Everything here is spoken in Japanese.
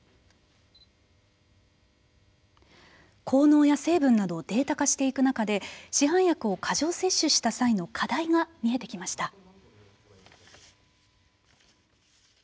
効能や成分などをデータ化していく中で市販薬を過剰摂取した際の課題が見えてきました。